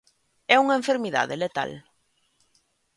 É unha enfermidade letal?